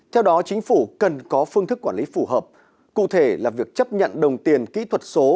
theo đó chính phủ cần có phương thức quản lý phù hợp cụ thể là việc chấp nhận đồng tiền kỹ thuật số